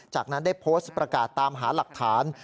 จากนั้นได้โพสต์ประกาศตามหาหลักฐาน